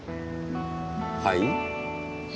はい？